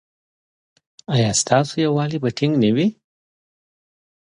ایا ستاسو یووالي به ټینګ نه وي؟